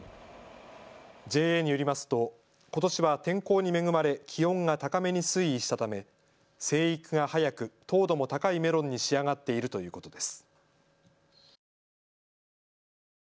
ＪＡによりますと、ことしは天候に恵まれ気温が高めに推移したため生育が早く糖度も高いメロンに仕上がっているということです。